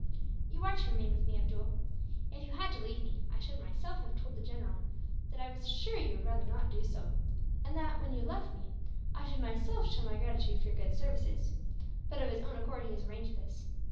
"You are to remain with me, Abdool. If you had had to leave me I should, myself, have told the general that I was sure you would rather not do so; and that, when you left me, I should myself show my gratitude for your good services; but of his own accord he has arranged this.